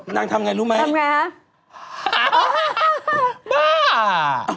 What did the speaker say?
นังทำไงรู้ไหมเปล่าบ้า